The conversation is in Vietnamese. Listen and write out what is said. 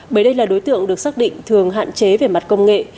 bởi đây là đối tượng được xác định thường hạn chế về mặt công nghệ